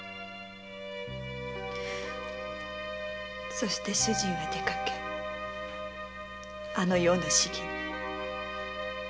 そして主人は出かけあのような結末に。